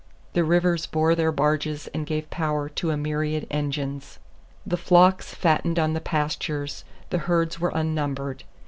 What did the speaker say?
The rivers bore their barges and gave power to a myriad engines. The flocks fattened on the pastures, the herds were unnumbered.